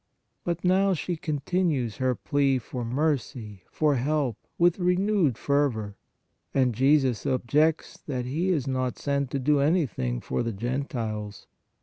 But now she continues her plea for mercy, for help with renewed fervor. And Jesus objects that He is not sent to do anything for the Gentiles.